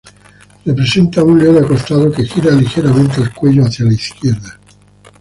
Representa un león acostado que gira ligeramente el cuello hacia la izquierda.